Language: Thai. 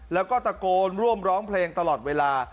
แล้วก็ตะโกนร่วมร้องเพลงตลอดเวลา